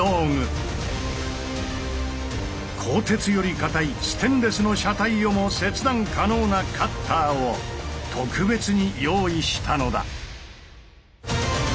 鋼鉄より硬いステンレスの車体をも切断可能なカッターを特別に用意したのだ。